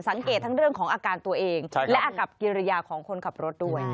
สังเกตทั้งเรื่องของอาการตัวเองและอากับกิริยาของคนขับรถด้วย